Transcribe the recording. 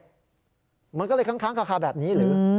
เหมือนก็เลยค้างแบบนี้